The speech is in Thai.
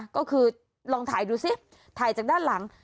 ก็คือลองถ่ายดูสิถ่ายจากด้านหลัง